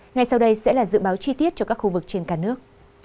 ngay sau đây sẽ là dự báo chi tiết cho các khu vực trên cả nước